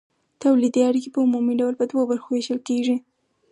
تولیدي اړیکې په عمومي ډول په دوو برخو ویشل کیږي.